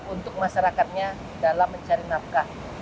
untuk masyarakatnya dalam mencari nafkah